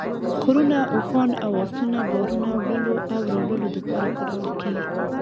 خرونه ، اوښان او اسونه بارونو وړلو او راوړلو دپاره کارول کیږي